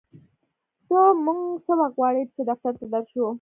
ته مونږ څه وخت غواړې چې دفتر ته در شو